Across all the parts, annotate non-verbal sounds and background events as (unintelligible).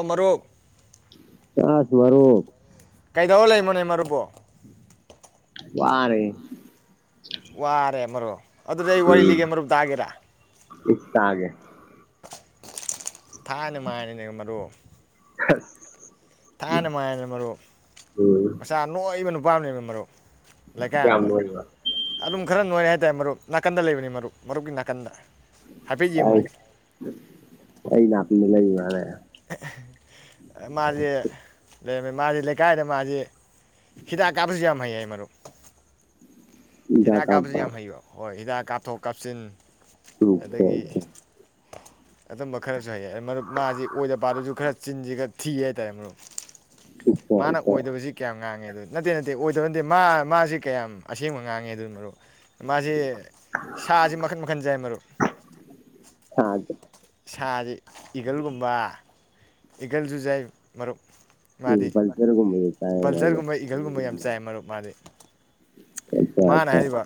ꯑꯃꯔꯨ ꯆꯥꯁ ꯃꯔꯔꯣ (unintelligible) ꯀꯩꯗꯧꯔ ꯂꯩꯃꯣꯅꯦ ꯃꯔꯨꯞꯕꯣ꯫ ꯋꯥꯔꯦ ꯋꯥꯔꯦ ꯃꯔꯨꯞ ꯑꯗꯨꯗꯤ ꯑꯩ ꯋꯥꯔꯤ ꯂꯤꯒꯦ ꯃꯔꯨꯞ ꯇꯥꯒꯦꯔ꯫ ꯏꯁ ꯇꯥꯒꯦ ꯊꯥꯏꯅꯦ ꯃꯥꯏꯅꯦꯅꯦ ꯃꯔꯨꯞ ꯈ (unintelligible) ꯊꯥꯏꯅ ꯃꯥꯏꯅ ꯃꯔꯨꯞ ꯃꯆꯥ ꯅꯣꯏꯕ ꯅꯨ (unintelligible) ꯃꯔꯨꯞ ꯂꯩꯀꯥꯏ ꯑꯃꯝꯗ ꯑꯗꯨꯝ ꯈꯔ ꯅꯣꯏꯔꯦ ꯇꯦ ꯃꯔꯨꯞ ꯅꯥꯀꯟꯗ ꯂꯩꯕꯅꯤ ꯃꯔꯨꯞ ꯃꯔꯨꯞꯀꯤ ꯅꯥꯀꯟꯗ ꯍꯥꯏꯐꯦꯠ ꯌꯦꯡꯉꯨꯅꯦ ꯑꯁ ꯑꯩꯅ ꯃ ꯂꯩ ꯌꯥꯔꯦ (unintelligible) ꯃꯥꯖꯦ ꯂꯩꯔꯝꯃꯦ ꯃꯥꯁꯤ ꯂꯩꯀꯥꯏꯗ ꯃꯥꯁꯤ ꯍꯤꯗꯥꯛ ꯀꯥꯞꯄꯁꯨ ꯌꯥꯝ ꯍꯩ ꯍꯥꯏ ꯃꯔꯨꯞ ꯍꯤꯗꯥꯛ ꯀꯥꯞꯁꯨ ꯌꯥꯝ ꯍꯥꯏꯕꯤꯕ ꯍꯣꯏ ꯍꯤꯗ ꯀꯥꯞꯊꯣꯛ ꯀꯥꯞꯁꯤꯟ ꯑꯗꯒꯤ ꯑꯗꯨꯝꯕ ꯈꯔꯁꯨ ꯍꯥꯏꯌꯦ ꯃꯔꯨꯞ ꯃꯥꯁꯤ ꯑꯣꯏꯗ ꯄꯥꯗꯨꯁꯨ ꯈꯔ ꯆꯤꯟꯁꯤ ꯈꯔ ꯊꯤ ꯍꯥꯏꯇꯥꯔꯦ ꯃꯔꯨꯞ ꯃꯥꯅ ꯑꯣꯏꯗꯕꯁꯤ ꯀꯌꯥꯝ ꯉꯥꯡꯉꯦ ꯑꯗꯨ ꯅꯠꯇꯦ ꯅꯠꯇꯦ ꯑꯣꯏꯗꯕ ꯅꯠꯇꯦ ꯃꯥ ꯃꯥꯁꯤ ꯀꯌꯥꯝ ꯑꯁꯦꯡꯕ ꯉꯥꯡꯉꯦ ꯑꯗꯨꯅ ꯃꯔꯣ ꯃꯥꯁꯤ ꯁꯥꯁꯤ ꯃꯈꯟ ꯃꯈꯟ ꯌꯥꯥꯏ ꯃꯔꯨꯞ ꯁꯥꯁꯦ ꯏꯒꯜꯒꯨꯝꯕ ꯏꯒꯜꯁꯨꯨꯖꯥꯏ ꯃꯔꯨꯞ ꯎ ꯄꯁꯔꯒꯨꯝ ꯄꯜꯆꯔꯒꯨꯝꯕ ꯏꯒꯜꯒꯨꯝꯕ ꯌꯥꯝ ꯆꯥꯏ ꯃꯔꯨꯞ ꯃꯥꯗꯤ꯫ ꯑꯆꯥ ꯃꯥꯅ ꯑꯆꯥ ꯍꯥꯏꯔꯤꯕ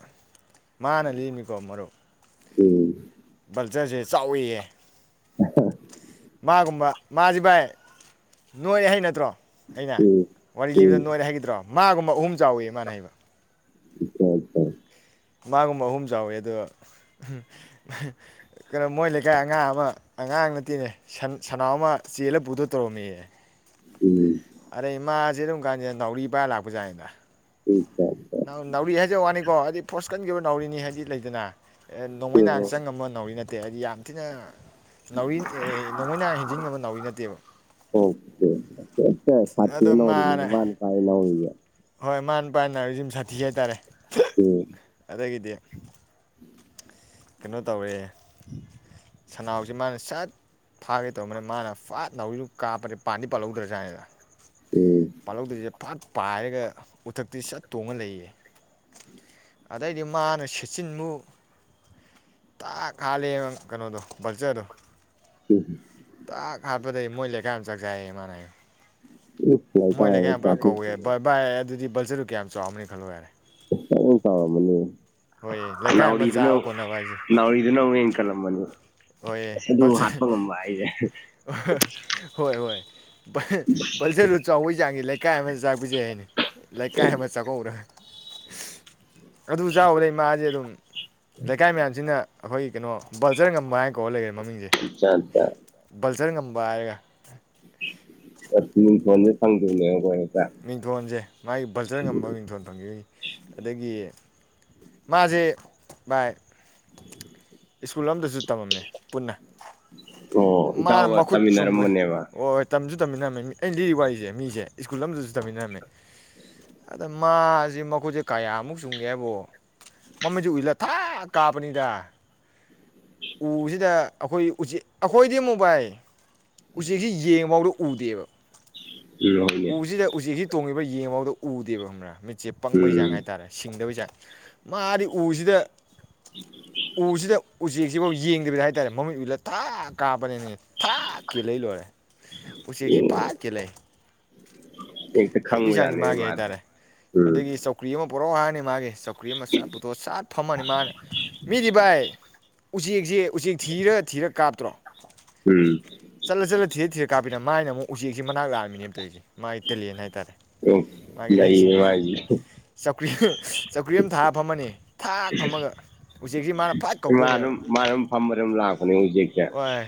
ꯃꯥꯅ ꯂꯤꯝꯅꯤꯀꯣ ꯃꯔꯨꯞ꯫ ꯎꯝ ꯕꯜꯆꯔꯁꯦ ꯆꯥꯎꯋꯤꯌꯦ ꯑ ꯍ ꯃꯥꯒꯨꯝꯕ ꯃꯥꯁꯤ ꯚꯥꯏ ꯅꯣꯏ ꯑꯍꯩ ꯅꯠꯇ꯭ꯔꯣ ꯑꯩꯅ ꯋꯥꯔꯤ ꯂꯤꯕꯗ ꯎꯝ ꯅꯣꯏꯔ ꯍꯥꯏꯒꯗ꯭ꯔꯣ ꯃꯥꯒꯨꯝꯕ ꯑꯍꯨꯝ ꯆꯥꯎꯋꯤ ꯃꯥꯅ ꯍꯥꯏꯕ ꯏꯄ ꯃꯥꯒꯨꯝꯕ ꯑꯍꯨꯝ ꯆꯥꯎꯋꯤ ꯑꯗꯣ ꯀꯩꯅꯣ ꯃꯣꯏ ꯂꯩꯀꯥꯏ ꯑꯉꯥꯡ ꯑꯃ ꯑꯉꯥꯡ ꯅꯠꯇꯦꯅꯦ ꯁꯅꯥꯎ ꯑꯃ ꯆꯦꯜꯂ ꯄꯨꯊ ꯇꯧꯔꯝꯃꯤꯌꯦ ꯎꯝ ꯑꯗꯩ ꯃꯥꯁꯦ ꯑꯗꯨꯝ ꯀꯥꯟꯁꯤꯗ ꯅꯥꯎꯔꯤ ꯅꯥꯢꯔ ꯂꯥꯛꯄꯖꯥꯏꯅꯤꯗ ꯑꯆꯥ ꯑꯆꯥ ꯅꯥꯎꯔꯤ ꯍꯥꯏꯖ ꯋꯥꯅꯤ ꯀꯣ ꯑꯩꯗꯤ ꯐꯣꯁ ꯀꯟꯈ꯭ꯔꯕ ꯅꯥꯎꯔꯤꯅꯤ ꯍꯥꯏꯗꯤ ꯂꯩꯗꯅ ꯑꯦ ꯅꯣꯡꯃꯩ ꯅꯍꯥꯟ ꯆꯪ ꯉꯝꯕꯋꯥꯟ ꯅꯧꯔꯤ ꯅꯠ ꯇ‌ꯦꯍꯔꯤꯌꯥ ꯌꯥꯝ ꯊꯤꯅ ꯅꯥꯎꯔꯤꯑ‌ꯦ ꯅꯣꯡꯃꯩꯩꯅ ꯍꯦꯟꯖꯤ ꯉꯝꯕ ꯅꯥꯎꯔꯤ ꯅꯠꯇꯦꯕ ꯁꯥꯠ ꯅꯧꯔꯤꯅꯦ ꯃꯥꯅꯤ ꯃꯥꯅ ꯄꯥꯢꯔꯤ ꯅꯧꯔꯤꯖꯦ ꯕꯥꯅ ꯍꯥꯏꯔꯤꯁꯤꯝ ꯁꯥꯊꯤ ꯍꯥꯏꯇꯥꯔꯦ ꯎꯝ ꯑꯩꯒꯤꯗꯤ ꯀꯩꯅꯣ ꯇꯧꯑ‌ꯦ ꯁꯅꯥꯎꯖꯦ ꯃꯥꯅ ꯁꯠ ꯐꯥꯒꯦ ꯇꯧꯔꯝꯕꯅꯦ ꯃꯥꯅ ꯐꯥꯠ ꯅꯧꯔꯤꯗꯨ ꯀꯥꯞꯄꯅꯤ ꯄꯥꯟꯗꯤ ꯄꯥꯜꯍꯧꯗ꯭ꯔꯖꯥꯠꯅꯤꯗ ꯎꯝ ꯄꯥꯜꯍꯧꯗ꯭ꯔꯤꯖ‌ꯦ ꯐꯠ ꯄꯥꯏꯔꯒ ꯎꯊꯛꯇꯩ ꯁꯠ ꯇꯣꯡꯉ ꯂꯩꯌꯦ ꯑꯗꯩꯗꯤ ꯃꯥꯅ ꯁꯠꯆꯤꯟꯕꯨ ꯇꯥꯛ ꯍꯥꯂꯦꯗ ꯀꯩꯅꯣꯗꯨ ꯕꯜꯆꯔꯗꯨ ꯎꯝ ꯇꯥꯛ ꯍꯥꯠꯄꯗꯩ ꯃꯣꯏ ꯂꯩꯀꯥꯏ ꯑꯃ ꯆꯥꯛ ꯆꯥꯏꯌꯦ ꯃꯥꯅ ꯍꯥꯢ ꯏꯁ ꯃꯣꯏ ꯂꯩꯀꯥꯏ ꯑꯃ ꯑꯝ ꯄꯨꯂꯞ ꯁꯥꯊꯤ ꯀꯧꯑ‌ꯦ ꯚ ꯚꯥꯏ ꯑꯗꯨꯗꯤ ꯕꯜꯔꯗꯨ ꯀꯌꯥꯝ ꯆꯥꯎꯔꯝꯅꯤ ꯈꯜꯂꯣ ꯌꯥꯔꯦ ꯐꯖꯟ ꯆꯥꯎꯔꯝ ꯃꯅꯤ ꯍꯣꯏ ꯂꯩꯀꯥꯏ ꯑꯃ ꯆꯥꯕ ꯈꯣꯠꯅꯕ ꯍꯥꯏꯁꯦ ꯀꯂꯝꯝꯕꯅꯤ ꯍꯣꯏꯌꯦ ꯕꯜꯁꯟ ꯑꯍ ꯍꯣꯏ ꯍꯣꯏ ꯕꯍꯦ ꯕꯜꯁꯦꯜꯂꯅ ꯆꯥꯎꯕꯩ ꯆꯥꯡꯖꯦ ꯂꯩꯀꯥꯏ ꯑꯃ ꯆꯥꯛꯄꯖꯩ ꯍꯥꯏꯅꯦ ꯂꯩꯀꯥꯏ ꯑꯃ ꯆꯥꯛꯀꯧꯔ ꯑꯗꯨ ꯆꯥꯎꯕꯗꯩ ꯃꯥꯁꯦ ꯑꯗꯨꯝ ꯂꯩꯀꯥꯏ ꯃꯌꯥꯝꯁꯤꯅ ꯑꯈꯣꯏꯒꯤ ꯀꯩꯅꯣ ꯕꯜꯖꯔ ꯉꯝꯕ ꯍꯥꯏ ꯀꯣꯂꯦ ꯃꯃꯤꯡꯖꯦ ꯆꯠꯇ ꯆꯔ ꯉꯝꯕ ꯍꯥꯏꯔꯒ ꯑꯁ ꯃꯤꯡꯇꯣꯟꯖꯦ ꯐꯪꯗꯦ (inaudible) ꯃꯤꯡꯊꯣꯟꯁꯦ ꯃꯥꯒꯤ ꯕꯜꯖꯔ ꯉꯝꯕ ꯃꯤꯡꯊꯣꯟ ꯐꯪꯒꯤꯕꯩ ꯑꯗꯒꯤ ꯃꯥꯖꯦ ꯚꯏ ꯁ꯭ꯀꯨꯜ ꯑꯝꯗꯁꯨ ꯇꯝꯃꯝꯃꯦ ꯄꯨꯟꯅ ꯑꯣ ꯃꯥꯅ ꯏꯇꯥꯎꯒ ꯇꯃꯤꯟꯅꯔꯝꯕꯅꯦꯕ ꯇꯝꯃꯤꯟꯅꯝꯃꯦꯃꯤ ꯑꯩ ꯂꯤꯔꯤ ꯋꯥꯔꯤꯁꯦ ꯃꯤꯁꯦ ꯁ꯭ꯀꯨꯜ ꯑꯃꯝꯗꯁꯨ ꯇꯝꯃꯤꯟꯅꯔꯝꯃꯦ ꯑꯗ ꯃꯥ ꯖꯤ ꯃꯈꯣꯠꯁꯦ ꯀꯌꯥꯃꯨꯛ ꯆꯨꯝꯒꯦ ꯍꯥꯏꯕꯨ ꯃꯃꯩꯁꯦ ꯎꯏꯆꯜꯂ ꯊꯥꯛ ꯀꯥꯞꯄꯅꯤꯗ ꯎꯁꯤꯗ ꯑꯩꯈꯣꯏ ꯎꯆꯦꯛ ꯑꯈꯣꯏꯗꯤ ꯃꯣꯕꯥꯏ ꯎꯆꯦꯛꯁꯦ ꯌꯦꯡꯐꯥꯎꯗ ꯎꯗꯦꯕ ꯎꯝ ꯍꯣꯏꯅꯦ ꯎꯁꯤꯗ ꯎꯆꯦꯛꯁꯤ ꯇꯣꯡꯉꯤꯕ ꯌꯦꯕꯥꯎꯗ ꯎꯗꯦꯕ ꯈꯪꯕꯔ ꯆꯦ ꯄꯪꯕꯩ ꯆꯥꯡ ꯎꯝ ꯍꯥꯏꯇꯥꯔꯦ ꯁꯤꯡꯗꯕꯩ ꯆꯥꯡ ꯃꯥꯗꯤ ꯎꯁꯤꯗ ꯎꯁꯤꯗ ꯎꯆꯦꯛ ꯁꯤꯐꯥꯎ ꯌꯦꯡꯗꯕꯤꯗ ꯍꯥꯏꯇꯥꯔꯦ ꯃꯃꯤꯠ ꯎꯏꯁꯜꯂ ꯇꯥꯛ ꯀꯥꯞꯄꯅꯦꯅꯤ ꯊꯥꯛ ꯀꯦꯜꯂꯛꯏ ꯂꯣꯏꯔꯦ ꯎꯆꯦꯛꯁꯤ ꯐꯥꯛ ꯀꯦꯂꯩ ꯍꯦꯛꯇ ꯍꯩꯕꯩ ꯆꯥꯡꯖꯦ ꯈꯪꯕꯖꯥꯠꯅꯦ ꯃꯥꯒꯤ ꯃꯥꯗꯣ ꯍꯥꯏꯇꯥꯔꯦ ꯎꯝ ꯑꯗꯒꯤ ꯆꯧꯀ꯭ꯔꯤ ꯑꯃ ꯄꯨꯔꯛꯑꯣ ꯍꯥꯟ ꯃꯥꯒꯦ ꯆꯧ ꯀꯨꯏ ꯑꯃ ꯁꯠ ꯄꯨꯊꯣꯛꯑ ꯆꯥꯠ ꯐꯝꯃꯅꯤ ꯃꯥꯅ ꯃꯤꯗꯤ ꯚꯥꯏ ꯎꯆꯦꯛꯁꯦ ꯎꯆꯦꯛ ꯊꯤꯔꯒ ꯊꯤꯔꯛ ꯀꯥꯞꯇ꯭ꯔꯣ ꯎꯝ ꯆꯂꯥ ꯆꯂꯥ ꯊꯤꯔ ꯊꯤꯔ ꯀꯥꯄꯤ ꯅ ꯃꯥꯏꯅ ꯑꯃꯨ ꯎꯆꯦꯛꯁꯦ ꯃꯅꯛ ꯂꯥꯛꯑꯝꯃꯤꯅꯦꯕ ꯇꯧꯁꯦ ꯃꯥꯏ ꯇꯦꯂꯦꯟ ꯍꯥꯏꯇꯥꯔꯦ ꯑꯣ ꯃꯥꯒꯤ ꯂꯩꯌꯦ ꯍꯩꯁꯤꯡꯕꯁꯦ ꯃꯥꯏꯁꯦ ꯆꯧꯀ꯭ꯔꯤ ꯆꯧꯀ꯭ꯔꯤ ꯑꯃ ꯊꯥꯔ ꯐꯝꯃꯅꯤ ꯊꯥꯛ ꯐꯝꯃꯒ ꯎꯆꯦꯛꯁꯤ ꯃꯥꯅ ꯐꯥꯛ ꯃꯥ ꯀꯧꯗꯣꯏꯅꯦꯕ ꯑꯗꯨꯝ ꯃꯥ ꯑꯗꯨꯝ ꯐꯝꯕ ꯑꯗꯨꯝ ꯂꯥꯛꯄꯅꯦ ꯍꯧꯖꯤꯛꯁꯦ ꯚꯥꯏ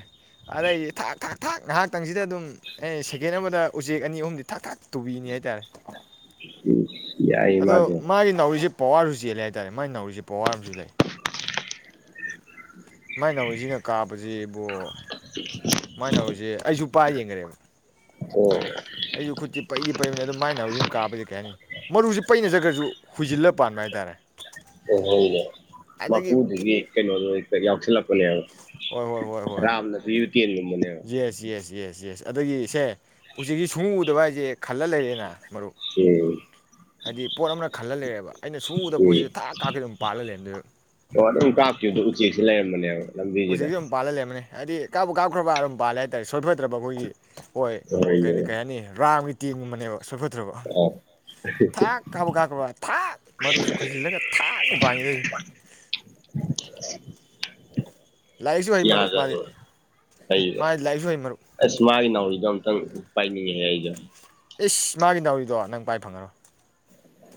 ꯑꯗꯩꯗꯤ ꯊꯥꯛ ꯊꯥꯛ ꯊꯥꯛ ꯉꯥꯍꯥꯛꯇꯪꯁꯤꯗ ꯑꯗꯨꯝ ꯎꯝ ꯑꯩ ꯁꯦꯀꯦꯟ ꯑꯃꯗ ꯎꯆꯦꯛ ꯑꯅꯤ ꯑꯍꯨꯝꯗꯤ ꯊꯥꯛ ꯊꯥꯛ ꯇꯨꯕꯤꯅꯤ ꯍꯥꯏꯇꯥꯔꯦ꯫ ꯎꯝ, ꯌꯥꯏ ꯑꯗꯣ ꯃꯥꯗꯣ꯫ ꯃꯥꯒꯤ ꯅꯥꯎꯔꯤꯁꯦ ꯄꯋꯥꯔꯁꯨ ꯆꯦꯜꯂꯦ ꯍꯥꯏꯇꯥꯔꯦ, ꯃꯥꯥꯏ ꯅꯥꯎꯔꯤꯁꯦ ꯄꯋꯥꯔ ꯑꯃꯁꯨ ꯂꯩ꯫ ꯃꯥꯏꯅꯧꯔꯤꯁꯤꯅ ꯀꯥꯞꯕꯁꯤ ꯏꯕꯣ, ꯃꯥꯏ ꯅꯥꯎꯔꯤꯁꯦ ꯑꯩꯁꯨ ꯄꯥꯏ ꯌꯦꯡꯈꯔꯦꯕ꯫ ꯑꯣ ꯑꯩꯁꯨ ꯈꯨꯠꯇꯤ ꯄꯩꯗꯤ ꯄꯩꯕꯅꯤ ꯑꯗꯨꯝ ꯃꯥꯏ ꯅꯥꯎꯔꯤꯅ ꯀꯥꯕꯕꯁꯤ ꯀꯩ ꯍꯥꯏꯅꯤ ꯃꯔꯨꯁꯤ ꯄꯩ ꯆꯠꯈ꯭ꯔꯁꯨ ꯍꯨꯏꯖꯤꯜꯂ ꯄꯥꯟꯕ ꯍꯥꯏꯇꯥꯔꯦ꯫ ꯑꯣ ꯍꯣꯏꯅꯦ ꯑꯗꯒꯤ ꯃꯄꯨꯗꯨꯒꯤ ꯀꯩꯅꯣ ꯀꯌꯥm ꯁꯤꯜꯂꯛꯄ ꯌꯥꯢꯅꯦ꯫ ꯍꯣꯏ, ꯍꯣꯏ, ꯍꯣꯏ, ꯍꯣꯏ꯫ ꯇꯦꯟꯒꯨꯝꯕꯅꯦꯕ ꯌꯦꯁ, ꯌꯦꯁ, ꯌꯦꯁ, ꯌꯦꯁ꯫ ꯑꯗꯒꯤ ꯁꯦ ꯎꯆꯦꯛꯁꯤ ꯁꯨꯡꯎ ꯎꯗꯕ ꯍꯥꯏꯁꯦ ꯈꯜꯂ ꯂꯩꯔꯦꯅ ꯃꯔꯨꯞ ꯎꯝ꯫ ꯍꯥꯏꯗꯤ ꯄꯣꯠ ꯑꯃꯅ ꯈꯜꯍꯜ ꯂꯩꯔꯦꯕ꯫ ꯑꯩꯅ ꯁꯨꯡꯎ ꯎꯗꯕ ꯎꯝ, ꯄꯣꯠꯁꯤꯗ ꯊꯥꯛ ꯀꯥꯞꯈꯩ ꯑꯗꯨꯝ ꯄꯥꯜꯂ ꯂꯩꯔꯝꯗꯣꯏꯕ ꯑꯗꯨꯝ ꯀꯥꯞꯈꯤꯕꯗ ꯎꯆꯦꯛꯁꯦ ꯂꯩꯔꯝꯕꯅꯦꯕ꯫ ꯂꯝꯕꯤꯁꯤꯗ ꯍꯧꯖꯤꯛꯁꯨ ꯑꯗꯨꯝ ꯄꯥꯜꯍ ꯂꯩꯔꯝꯃꯅꯤ꯫ ꯍꯥꯏꯗꯤ ꯀꯥꯞꯄꯨ ꯀꯥꯞꯈ꯭ꯔꯕ ꯑꯗꯨꯝ ꯄꯥꯂꯦ ꯍꯥꯏꯇꯥꯔꯦ ꯁꯣꯏꯐꯗ꯭ꯔꯕ ꯑꯩꯈꯣꯏꯒꯤ ꯍꯣꯏ ꯀ ꯍꯣꯏꯅꯦ ꯀꯩ ꯍꯥꯏꯅꯤ ꯔꯥꯝꯒꯤ ꯇꯦꯟ ꯒꯨꯝꯕꯅꯦꯕ ꯁꯣꯏꯐꯠꯇ꯭ꯔꯕ ꯑꯥ ꯊꯥꯛ ꯀꯥꯞꯄꯨ ꯀꯥꯞꯈꯔꯕ ꯊꯥꯛ ꯃꯔꯨꯁꯤ ꯈꯣꯏꯁꯤꯜꯂꯒ ꯊꯥꯛꯅꯦ ꯄꯥꯟꯒꯤꯗꯣꯏꯁꯦ꯫ ꯊꯤꯌꯥꯗꯅꯤꯕ ꯍꯩꯕ ꯃꯥꯗꯤ ꯂꯥꯏꯔꯤꯛꯁꯨ ꯍꯩ ꯃꯔꯨꯞ ꯑꯁ ꯃꯥꯒꯤ ꯅꯥꯎꯔꯤꯗꯣ ꯑꯝꯇꯪ ꯄꯥꯏꯅꯤꯡ ꯉꯥꯛꯑꯦ ꯑꯩꯁꯨ ꯏꯁ ꯃꯥꯒꯤ ꯅꯥꯎꯔꯤꯗꯣ ꯅꯪ ꯄꯥꯏ ꯐꯪꯉꯔꯣꯏ꯫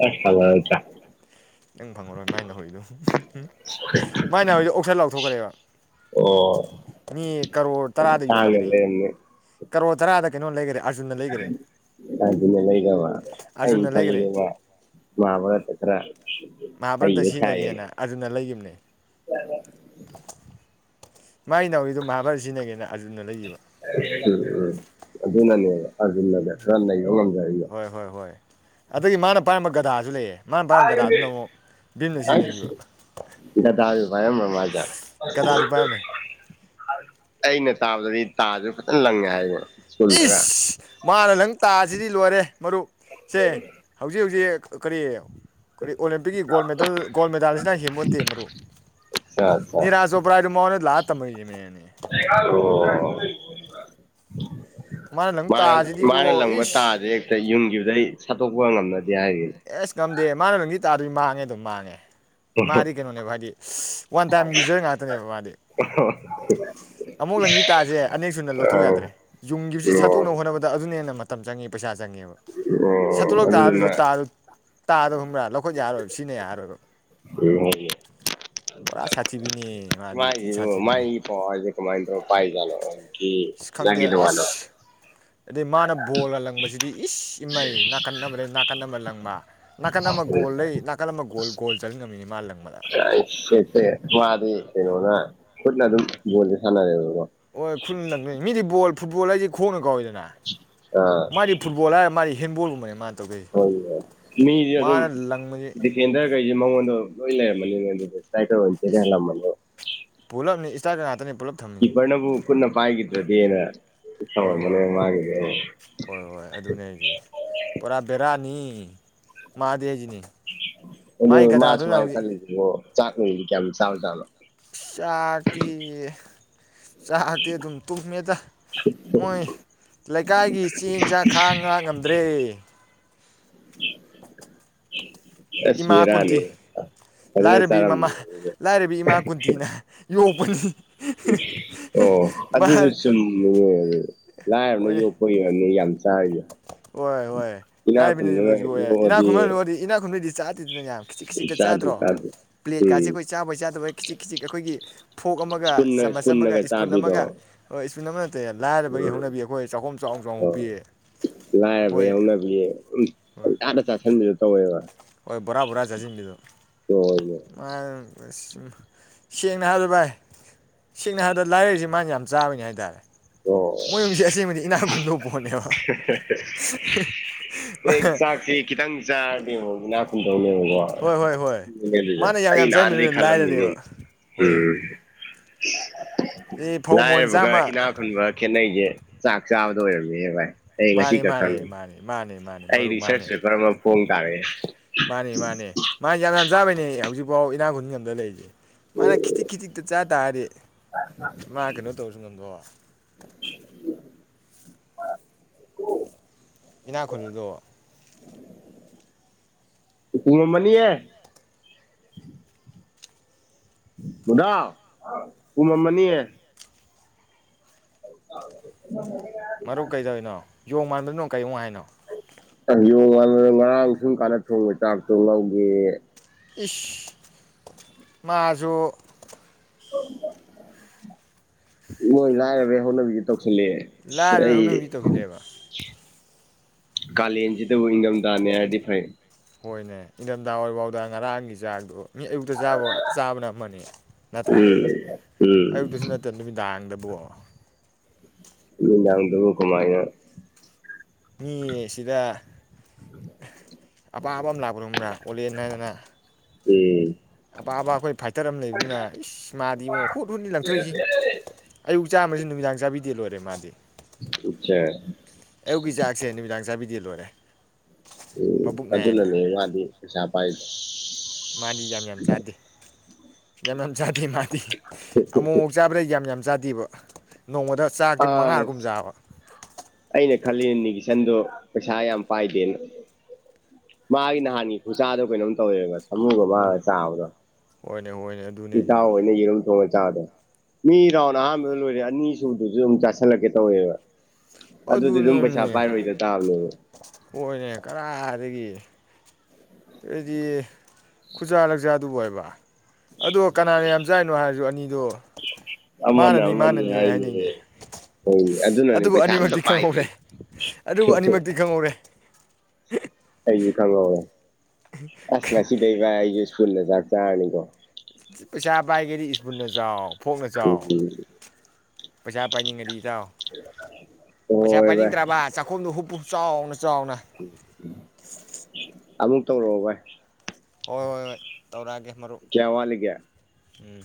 ꯑꯁ ꯐꯪꯍꯧꯗꯔꯦ꯫ ꯅꯪ ꯐꯪꯉꯔꯣꯏ ꯃꯥꯏ ꯅꯥꯎꯔꯤꯗꯣ ꯃꯥꯏ ꯅꯥꯎꯔꯤꯗꯣ ꯑꯣꯛꯁꯟ ꯂꯥꯎꯊꯣꯛꯈ꯭ꯔꯦꯕ ꯑꯣ ꯃꯤ ꯀꯔꯣꯔ ꯇꯔꯥꯗ ꯇꯥꯡꯅ ꯌꯣꯟꯈꯔꯦ꯫ ꯀꯔꯣ ꯇꯔꯥꯗ ꯀꯩꯅꯣ ꯂꯩꯈꯔꯦ ꯑꯥꯔꯖꯨꯟꯅ ꯂꯩꯈꯔꯦ ꯑꯖꯨꯟꯅ ꯂꯩꯈꯔꯕ ꯑꯩ ꯑꯥꯔꯖꯨꯟꯅ ꯂꯩꯈꯔꯦ ꯈꯜꯂꯤꯕ ꯃꯥꯍꯥ ꯚꯔꯥꯠꯇ ꯈꯔ ꯃꯍꯥꯚꯥꯔꯠꯇ ꯍꯩꯕ ꯁꯥꯏꯌꯦꯅ ꯁꯤꯖꯤꯟꯅꯒꯦꯅ ꯑꯔꯖꯨꯟꯅ ꯂꯩꯈꯤꯕꯅꯦ ꯃꯥꯏ ꯅꯥꯎꯔꯤꯗꯨꯣ ꯃꯍꯥꯚꯔꯥꯠꯇ ꯁꯤꯖꯤꯟꯅꯒꯦꯅ ꯑꯔꯖꯨꯟꯅ ꯂꯩꯒꯤꯕ ꯑꯗꯨꯅꯅꯦ ꯍꯣꯏ ꯍꯣꯏ ꯍꯣꯏ ꯑꯗꯨꯗꯒꯤ ꯃꯥꯅ ꯄꯥꯏꯔꯝꯕ ꯒꯗꯥꯁꯤ ꯂꯩꯌꯦ ꯃꯥꯅ ꯄꯥꯏꯔꯝꯕ ꯒꯗꯥꯗꯨꯅ ꯑꯩꯁ ꯑꯃꯨꯛ ꯚꯤꯝꯅ ꯁꯤꯖꯤꯟꯅꯈꯤꯕ ꯍꯥꯏꯔꯝꯕꯥ ꯃꯜꯂꯤꯗꯥ ꯒꯗꯥꯁꯨ ꯄꯥꯏꯔꯝꯃꯦ ꯑꯩꯅ ꯇꯥꯕꯗꯗꯤ ꯇꯥꯁꯨ ꯐꯖꯅꯥ ꯂꯪꯉꯦ ꯍꯥꯏꯌꯦ ꯏꯁ ꯃꯥꯥꯅꯥ ꯅꯪ ꯇꯥꯁꯤꯗꯤ ꯂꯣꯏꯔꯦ ꯃꯔꯨꯞ ꯁꯦ ꯍꯧꯖꯤꯛ ꯍꯧꯖꯤꯛ ꯀꯔꯤ ꯑꯩꯈ ꯑꯣꯂꯦꯝꯄꯤꯛꯀꯤ ꯒꯣꯜ ꯃꯦꯗꯥꯜ ꯑꯁꯤ ꯍꯦꯟꯄꯣꯟꯇꯦ ꯃꯔꯨꯞ ꯑꯠꯆꯥ ꯑꯠꯆꯥ ꯅꯤꯔꯥꯥꯁ ꯆꯣꯕ꯭ꯔꯥ ꯑꯗꯨ ꯃꯥꯉꯟꯗꯥ ꯂꯥꯛ ꯇꯃꯃꯦ ꯌꯥꯅꯤ ꯑꯣ (inaudible) ꯃꯥꯅ ꯃꯥꯅ ꯇꯥꯁꯤꯗꯤꯕꯣ ꯂꯪꯕ ꯏꯁ ꯇꯥꯖꯦ ꯍꯦꯛꯇ ꯌꯨꯝꯈꯤꯕꯗ ꯁꯠꯇꯛꯄꯥ ꯉꯝꯅꯥꯗ ꯑꯦꯁ ꯉꯝꯗꯦ ꯃꯥꯅ ꯂꯪꯒꯤ ꯇꯥꯗꯨꯗꯤ ꯃꯥꯡꯉꯦ ꯑꯗꯨꯝ ꯃꯥꯡꯉꯦ ꯃꯥꯗꯤ ꯀꯩꯅꯣꯅꯦꯕ ꯍꯥꯏꯗꯤ ꯋꯥꯟ ꯇꯥꯏꯝ ꯌꯨꯖꯔ ꯉꯥꯛꯇꯅꯦꯕ ꯃꯥꯗꯤ ꯑꯃꯨꯛ ꯂꯪꯕꯤ ꯇꯥꯥꯁꯦ ꯑꯅꯦꯛꯁꯨꯨꯅ ꯂꯧꯊꯣꯛ ꯌꯥꯗ꯭ꯔꯦ ꯑꯥ ꯌꯨꯝꯒꯤꯈꯤꯕꯕꯁꯤ ꯁꯥꯠꯇꯣꯛꯅꯕ ꯑꯣ ꯍꯣꯠꯅꯕꯗ ꯑꯗꯨꯅ ꯍꯦꯟꯅ ꯃꯥꯇꯝ ꯆꯪꯉꯤ ꯄꯩꯁ ꯆꯪꯉꯦꯕ ꯁꯠꯇꯣꯛꯂ ꯑꯣ ꯇꯥꯔꯅꯁꯨ ꯑꯗꯨꯗꯨꯅ ꯇꯥ ꯇꯥꯗꯕ ꯈꯨꯝꯕ꯭ꯔꯥ ꯂꯧꯈꯠ ꯌꯥꯔꯣꯏꯕ ꯁꯤꯅ ꯌꯥꯔꯣꯏꯕ ꯄꯨꯔꯥ ꯁꯥꯊꯤꯕꯤꯅꯤ (unintelligible) ꯃꯥꯗꯤ ꯊꯤ ꯃꯥꯏꯖꯤꯕꯨ ꯁꯥꯊꯤꯕꯤꯅꯤ ꯃꯥꯥꯏ ꯄꯋꯥꯔꯁꯦ ꯀꯃꯥꯏ ꯇꯧꯔ ꯄꯥꯔꯤ ꯑꯁ ꯈꯪꯗꯦ ꯖꯥꯠꯅꯣ (unintelligible) ꯑꯁ ꯑꯗꯩ ꯃꯥꯅ ꯕꯣꯜ ꯂꯪꯕꯁꯤꯗꯤ ꯏꯁ ꯏꯃꯩ ꯅꯥꯀꯟ ꯑꯃꯗꯩꯩ ꯅꯥꯀꯟ ꯑꯃ ꯂꯪꯕ ꯅꯥꯀꯟ ꯑꯃ ꯒꯣꯜ ꯂꯩ ꯅꯥꯀꯟ ꯑꯃ ꯒꯣꯜ ꯒꯣꯜ ꯆꯜ (unintelligible) ꯁꯦ (unintelligible) ꯃꯥꯗꯤ ꯀꯩꯅꯣꯅ ꯈꯨꯠꯅ ꯑꯗꯨꯝ ꯌꯣꯜꯕ ꯁꯥꯟꯅꯔꯦꯕ ꯑꯣꯏ ꯈꯨꯠꯅ ꯂꯪꯗꯣꯏꯅꯦ ꯃꯤꯗꯤ ꯕꯣꯜ ꯐꯨꯠꯕꯣꯜ ꯍꯥꯏꯁꯤ ꯈꯣꯡꯅ ꯀꯥꯎꯏꯗ ꯑꯥ ꯃꯥꯗꯤ ꯐꯨꯠꯕꯣꯜ ꯍꯥꯏꯔ ꯃꯥꯗꯤ ꯍꯦꯟꯕꯣꯜ (unintelligible) (unintelligible) ꯃꯤꯗꯤ ꯑꯗꯨꯝ ꯂꯪꯕꯁꯤ ꯗꯤꯒꯦꯟꯗ꯭ꯔꯈꯩꯁꯦ ꯃꯉꯣꯟꯗꯣ ꯂꯣꯏ ꯂꯩꯔꯝꯃꯅꯤꯉꯦ ꯑꯗꯨꯗꯗꯤ (unintelligible) (unintelligible) ꯀꯤꯄꯔꯅꯕꯨ ꯈꯨꯟꯅ ꯄꯥꯏꯈꯔꯤꯗꯔꯗꯤꯅ ꯍꯣꯏ ꯍꯣꯏ ꯍꯣꯏ ꯍꯣꯏ ꯑꯗꯨꯅꯦ ꯍꯥꯏꯁꯦ ꯄꯨꯔꯥ ꯕꯦꯔꯥꯅꯤ꯫ ꯃꯥꯗꯦꯅꯤ ꯑꯗꯨ ꯃꯥ ꯁꯨꯃꯥꯏ ꯀꯜꯂꯤꯁꯤꯕꯨ ꯆꯥꯛꯅꯤꯗꯤ ꯀꯌꯥꯝ ꯆꯥꯕ ꯖꯥꯠꯅꯣ ꯆꯥꯛꯇꯤ ꯆꯥꯛꯇꯤ ꯑꯗꯨꯝ ꯇꯨꯝꯃꯦꯗ ꯃꯣꯏ ꯂꯩꯀꯥꯏꯒꯤ ꯆꯦꯡ ꯆꯥꯛ ꯈꯥꯡ ꯉꯥꯛ ꯉꯝꯗ꯭ꯔꯦ꯫ (inaudible) (inaudible) ꯑꯁ ꯏꯃꯥ ꯀꯨꯟꯇꯤ ꯕꯦꯔꯥꯅꯤ ꯍꯦ ꯂꯥꯏꯔꯕꯤ ꯃꯃꯥ ꯂꯥꯏꯔꯕꯤ ꯏꯃꯥ ꯀꯨꯟꯇꯤꯅ ꯌꯣꯛꯄꯅꯤ ꯑꯣ ꯃꯥ ꯑꯗꯨꯁꯨ ꯆꯨꯝꯃꯤꯅꯦ ꯂꯥꯏꯔꯕꯅ ꯍꯣꯏꯅꯦ ꯌꯣꯛꯄꯒꯤ ꯑꯣꯏꯔꯝꯅꯤ ꯌꯥꯝ ꯆꯥꯔꯤꯁꯦ ꯍꯣꯏ ꯍꯣꯏ ꯏꯅꯥꯛ ꯂꯥꯏꯔꯕꯅ ꯈꯨꯟꯕꯅ ꯌꯣꯛꯄꯩꯁꯨ ꯑꯣꯏꯔꯦ ꯏꯅꯥꯛ ꯌꯣꯛꯑꯗꯤ ꯈꯨꯟꯕꯅ ꯌꯣꯛꯑꯗꯤ ꯢꯅꯥ ꯈꯨꯟꯕꯩ ꯆꯥ ꯇꯤꯟꯗꯅ ꯌꯥꯝꯕ ꯈꯤꯖꯤꯛ ꯈꯤꯖꯤꯛꯇ ꯆꯥꯗꯦ ꯆꯥꯗ꯭ꯔꯣ ꯆꯥꯗꯦ ꯎꯝ ꯄ꯭ꯂꯦꯠꯀꯥꯁꯦ ꯑꯩꯈꯣꯏ ꯆꯥꯕꯩ ꯆꯥꯗꯕꯩ ꯈꯤꯖꯤꯛ ꯈꯤꯖꯤꯛ ꯑꯩꯈꯣꯏꯒꯤ ꯐꯣꯛ ꯑꯃꯒ ꯏꯁꯄꯨꯟꯅ ꯆꯥꯃꯁ ꯑꯃꯒ ꯏꯁꯄꯨꯟꯅꯒ ꯏꯁꯄꯨꯟ ꯆꯥꯕꯤꯗꯣ ꯑꯃꯒ ꯍꯣꯏ (unintelligible) ꯑꯦ ꯂꯥꯏꯔꯕꯒꯤ ꯎꯝ ꯍꯧꯅꯕꯤ ꯑꯩꯈꯣꯏ ꯆꯥꯛꯈꯨꯝ ꯆꯥꯎ ꯆꯥꯎꯅ ꯑꯣ ꯍꯨꯞꯄꯤ꯫ ꯂꯥꯏꯔꯕꯩ ꯍꯧꯅꯕꯤ ꯑꯗꯨꯝ ꯄꯪꯆꯥꯗ ꯆꯥ ꯁꯟꯕꯤꯗꯨ ꯇꯧꯔꯦ ꯍꯥꯏꯕ꯫ ꯍꯣꯏ ꯕꯣꯔꯥ ꯕꯣꯔꯥ ꯆꯥꯁꯤꯟꯕꯤꯗꯣ ꯑꯣ ꯃꯥ ꯁꯦꯡꯅ ꯍꯥꯏꯔꯕꯗ ꯚꯥꯏ ꯁꯦꯡꯅ ꯍꯥꯏꯗ ꯂꯥꯏꯔꯩꯁꯤ ꯃꯥꯌꯥꯝ ꯆꯥꯕꯩꯅꯤ ꯍꯥꯏꯇꯔꯦ ꯑꯣ ꯄꯣꯠꯅꯦꯕ ꯍꯦꯛ ꯆꯥꯛꯁꯤ ꯈꯤꯇꯪ ꯆꯥꯔꯗꯤ ꯑꯃꯨꯛ ꯏꯅꯥꯛ ꯈꯨꯟꯗꯧꯅꯦ ꯍꯣꯏ ꯍꯣꯏ ꯍꯣꯏ ꯃꯥꯅ (unintelligible) ꯌꯥꯝ ꯑꯩ ꯌꯥꯝ ꯅꯥꯟꯗꯩꯩ ꯆꯥꯏꯃꯤꯗꯨꯅ ꯈꯟꯂꯝꯃꯤꯅꯤ ꯂꯥꯏꯔꯔꯦꯕ ꯎꯝ (inaudible) ꯑꯦ ꯐꯧ ꯃꯣꯟ ꯂꯥꯏꯔꯕꯒ ꯆꯥꯝꯃ ꯏꯅꯥꯛ ꯈꯨꯟꯕ ꯈꯦꯠꯅꯩꯁꯦ ꯆꯥꯛ ꯆꯥꯕꯗ ꯑꯣꯏꯔꯝꯃꯤꯍꯦ ꯚꯥꯏ꯫ ꯑꯩ ꯉꯁꯤ ꯃꯟꯅꯤ ꯈꯛ ꯃꯟꯅꯤ ꯈꯪꯉꯦ ꯃꯟꯅꯤ ꯃꯟꯅꯤ ꯃꯟꯅꯤ ꯑꯩ ꯔꯤꯁꯥꯔ꯭ꯁ ꯄꯦꯄꯔ ꯑꯃ ꯐꯣꯡ ꯇꯥꯔꯦ꯫ ꯃꯟꯅꯦ ꯃꯟꯅꯦ ꯃꯟꯅꯦ ꯌꯥꯝ ꯌꯥꯝ ꯆꯥꯕꯩꯅꯦ ꯍꯧꯖꯤꯛ ꯕꯎ ꯏꯅꯥꯛꯈꯨꯟ ꯉꯝꯗ ꯂꯩꯁꯦ꯫ ꯃꯥꯟ ꯈꯦꯇ ꯈꯦꯇ ꯆꯥ ꯇꯥꯔꯦ ꯃꯥ ꯀꯩꯅꯣ ꯇꯧꯁꯥꯅꯨ ꯏꯅꯥꯛꯈꯨꯜꯕꯥꯗꯣ ꯄꯨꯝꯃꯝꯃꯅꯤꯌꯦ ꯗꯥ ꯄꯨꯝꯃꯝꯃꯅꯤꯌꯦ ꯃꯔꯨꯞ ꯀꯩꯗꯧꯅꯣ ꯌꯣꯡ ꯃꯥꯟꯗꯅꯣ ꯀꯩ ꯑꯃꯣꯛ ꯍꯥꯏꯅꯣ ꯌꯣꯡ ꯉꯥꯔꯥꯡ ꯉꯔꯥꯡ ꯁꯨꯝ ꯀꯥꯟꯗ ꯊꯣꯡꯕ ꯆꯥꯛꯇꯣ ꯂꯧꯒꯦ ꯏ ꯃꯥꯖꯣ ꯃꯣꯏ ꯂꯥꯏꯔꯥꯕꯩ ꯍꯧꯅꯥꯕꯤ ꯂꯥꯏꯔꯕ ꯑꯩ ꯍꯧꯅꯕꯤ ꯇꯧꯁꯤꯜꯂꯦꯕ ꯀꯥꯂꯦꯟꯁꯤꯗꯕꯨ ꯏꯪꯊꯝꯊꯥꯅꯦ ꯍꯥꯏꯔꯗꯤ ꯐꯩ ꯍꯣꯏꯅꯦ ꯏꯟꯊꯝꯊꯥ ꯑꯣꯏꯣꯏꯐꯥꯎꯗ ꯉꯔꯥꯡꯒꯤ ꯆꯥꯛꯗꯣ ꯃꯤ ꯑꯌꯨꯛꯇ ꯆꯥꯕ ꯆꯥꯕꯅꯦꯕ ꯃꯅꯤ ꯅꯠꯇ꯭ꯔꯥ ꯎꯝ ꯎꯝ ꯑꯌꯨꯛꯇꯁꯨ ꯅꯠꯇꯦ ꯅꯨꯃꯤꯗꯥꯡꯗ ꯕꯣ ꯅꯨꯃꯤꯗꯥꯡꯒꯤꯗꯨꯕꯨ ꯀꯃꯥꯏꯅ ꯃꯤ ꯁꯤꯗ ꯑꯄꯥꯕ ꯑꯃ ꯂꯥꯛꯄꯔꯝꯕ꯭ꯔꯥ ꯑꯣꯜꯂꯦ ꯍꯥꯏꯅꯥꯗꯅ ꯎꯝ ꯑꯄꯥ ꯑꯕ ꯑꯩꯈꯣꯏ ꯐꯥꯏꯇꯔ ꯑꯃ ꯂꯩꯕꯅꯤꯅ ꯏꯁ ꯃꯥꯗꯤ ꯏꯡꯉꯣ ꯍꯨꯠ ꯍꯨꯠꯅꯤ ꯂꯪꯊꯣꯛꯏꯁꯤ ꯑꯌꯨꯛ ꯆꯥꯝꯃꯁꯨ ꯅꯨꯃꯤꯗꯥꯡ ꯆꯥꯕꯤꯗꯦ ꯂꯣꯏꯔꯦ ꯔꯤꯃꯥꯗꯤ ꯑꯠꯆꯥ ꯑꯌꯨꯛꯀꯔ ꯆꯥꯛꯁꯦ ꯅꯨꯃꯤꯗꯥꯡ ꯆꯥꯕꯤ (unintelligible) ꯂꯣꯏꯔꯦ ꯎ ꯃꯕꯨꯛ ꯑꯗꯨꯖꯅ ꯅꯥꯏꯌꯦꯅ ꯂꯩ ꯌꯥꯗꯤ ꯄꯩꯁꯥ ꯐꯥꯏꯁꯦ ꯃꯥꯗꯤ ꯌꯥꯝ ꯌꯥꯝ ꯆꯥꯗꯦ ꯌꯥꯝ ꯌꯥꯝ ꯆꯥꯗꯦ ꯃꯥꯗꯤ ꯑꯃꯨꯛꯐꯥꯎꯛ ꯆꯥꯕ꯭ꯔꯥ ꯌꯥꯝ ꯌꯥꯝ ꯌꯥꯥꯗꯤꯕ ꯅꯣꯡꯃꯗ ꯆꯥꯛꯇꯤ ꯃꯉꯥꯒꯨꯝꯖꯥꯕ ꯈꯜꯂꯤꯅꯤꯒꯤꯁꯟꯗꯣ ꯄꯩꯁꯥ ꯌꯥꯝ ꯄꯥꯏꯗꯦꯅ ꯃꯥꯒꯤ ꯅꯍꯥꯟꯒꯤ ꯈꯨꯆꯥꯥꯗꯣ ꯀꯩꯅꯣꯝ ꯇꯧꯋꯦꯕ ꯃꯥꯁ ꯑꯃꯨꯒ ꯑꯣ ꯃꯥꯒ ꯆꯥꯕꯗꯣ ꯍꯣꯏꯅꯦ ꯍꯣꯏꯅꯦ ꯏꯇꯥꯎ ꯑꯗꯨꯅꯦ ꯑꯣꯏꯅ ꯌꯦꯔꯨꯝ ꯊꯣꯡꯉ ꯗ ꯃꯤꯔꯥꯎꯅ ꯁ ꯑꯗꯨꯁꯨ ꯑꯗꯨꯝ ꯆꯥꯁꯤꯜꯂꯛꯀꯦ ꯇꯧꯋꯦꯕ ꯑꯗꯨꯗꯤ ꯑꯗꯨꯝ ꯄꯩꯁꯥ ꯄꯥꯏꯔꯣꯏꯗ ꯇꯥꯕꯅꯦꯕ ꯍꯣꯢꯅꯦ ꯀꯗꯥꯥꯏꯗꯒꯤ ꯑꯗꯨꯗꯤ ꯈꯨꯖꯥ ꯂꯛꯆꯥꯥꯗꯨꯕꯨ ꯑꯣꯏꯕ ꯑꯗꯣ ꯀꯅꯥꯅ ꯌꯥꯝ ꯆꯥꯏꯅꯣ ꯍꯥꯏꯔꯁꯨ ꯑꯅꯤꯗꯣ ꯑꯃꯅ ꯃꯥꯅꯅꯤ ꯑꯃꯅꯤ ꯃꯥꯅꯅꯤ ꯍꯥꯏꯅꯤꯌ‌ꯦ ꯍꯥꯏꯅꯩꯅꯦ ꯑꯗꯨꯅꯅꯤ ꯑꯗꯨꯕꯨ ꯄꯩꯁꯥ ꯑꯃꯇ ꯑꯅꯤꯃꯛꯇꯤ ꯈꯪꯍꯧꯔꯦ ꯄꯥꯏꯗ꯭ꯔꯤꯗꯎ ꯑꯗꯨꯕꯨ ꯑꯅꯤꯃꯛꯇꯤ ꯈꯪꯍꯧꯔꯦ (unintelligible) ꯑꯩꯗꯤ ꯈꯪꯉꯧꯔ‌ꯦ ꯑꯁ ꯉꯁꯤꯗꯩ ꯕꯥꯢ ꯑꯩꯁꯨ (unintelligible) ꯆꯥꯛ ꯆꯥꯔꯅꯤꯀꯣ ꯄꯩꯁꯥ ꯄꯥꯏꯒꯦꯗꯤ ꯏꯁꯄꯨꯟꯗ ꯆꯥꯎ ꯐꯣꯛꯅ ꯆꯥꯎ ꯎꯝ ꯄꯩꯁꯥ ꯄꯥꯏꯅꯤꯡꯉꯗꯤ ꯏꯇꯥꯎ ꯍꯣꯍꯣꯏ ꯕꯥꯏ꯫ ꯆꯥꯎꯅꯥ ꯆꯥꯎꯅ ꯑꯃꯨꯛ ꯇꯧꯔꯛꯑꯣ ꯚꯏ ꯍꯣꯏ ꯍꯣꯏ ꯍꯣꯏ ꯇꯧꯔꯛꯑꯒꯦ ꯃꯔꯨꯞ ꯀꯌꯥ ꯋꯥꯠꯂꯤꯒꯦ ꯎꯝ